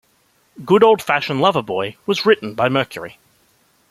"Good Old-Fashioned Lover Boy" was written by Mercury.